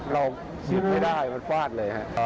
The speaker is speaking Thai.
เรายึดไม่ได้มันฟาดเลยฮะ